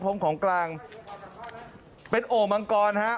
ของกลางเป็นโอ่งมังกรฮะ